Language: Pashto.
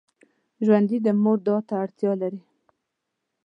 ژوندي د مور دعا ته اړتیا لري